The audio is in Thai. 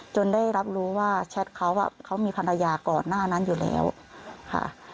ได้รับรู้ว่าแชทเขาเขามีภรรยาก่อนหน้านั้นอยู่แล้วค่ะ